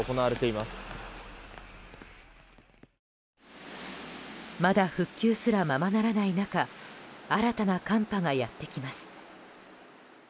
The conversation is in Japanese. まだ復旧すらままならない中新たな寒波がやってきます。